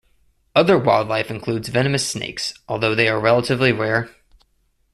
Other wildlife includes venomous snakes, although they are relatively rare.